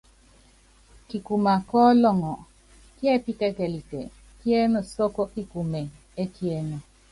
Kikuma kɔ́ ɔlɔŋɔ kíɛ́píkɛkɛlitɛ kiɛ́nɛ sɔ́kɔ́ kikumɛ ɛ́kiɛ́nɛ.